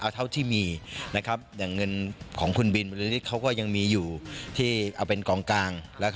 สนับสนุนทุกครั้ง